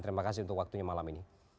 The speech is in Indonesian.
terima kasih untuk waktunya malam ini